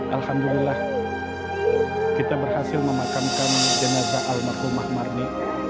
alhamdulillah kita berhasil memakamkan jenazah almakul mahmarni